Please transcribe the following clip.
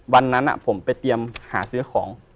วันนั้นผมไปเตรียมหาซื้อของ